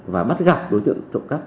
và bắt gặp đối tượng trộm cắp